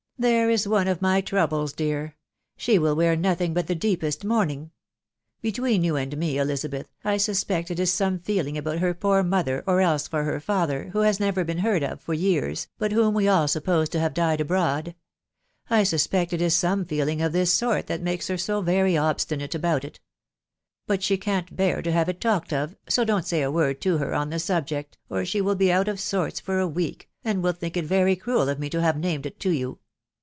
" There is one of my troubles, my dear; she *£U wear nothing but the deepest mounting. .Between yen and me, Elisabeth/ 1 suspect it is some feeling about her ponr:«a#tber> or else for her father, who has never been beard af far *f&m%. but whom we all suppose to hare died abroad, — I isnnjisrt it is some feeling of this sort that makes ner soivery^betiBjAe about it. But she can't bear to hare it talkecLef, *© jietr't say a word to her on the subject, or she will be outkiff aorta, far a weelc, and will think it very cruel of me to have named it *» you.